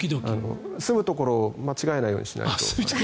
住むところを間違えないようにしないと。